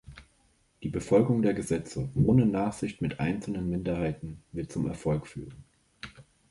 Die Befolgung der Gesetze, ohne Nachsicht mit einzelnen Minderheiten, wird zum Erfolg führen.